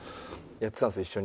やってたんですよ